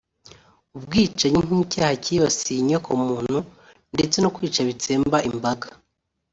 ubwicanyi nk’icyaha kibasiye inyokomuntu ndetse no kwica bitsemba imbaga